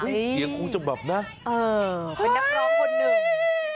เสียงคงจะแบบนะเออเป็นนักร้องคนหนึ่ง